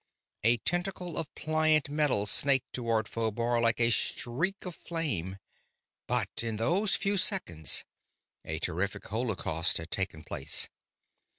A tentacle of pliant metal snaked toward Phobar like a streak of flame. But in those few seconds a terrific holocaust had taken place.